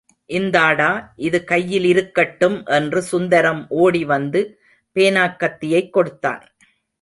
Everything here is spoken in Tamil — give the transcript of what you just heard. இந்தாடா, இது கையிலிருக்கட்டும் என்று சுந்தரம் ஓடிவந்து, பேனாக்கத்தியைக் கொடுத்தான்.